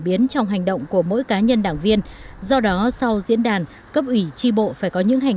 biến trong hành động của mỗi cá nhân đảng viên do đó sau diễn đàn cấp ủy tri bộ phải có những hành